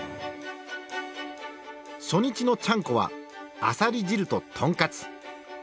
初日のちゃんこはあさり汁と豚カツ。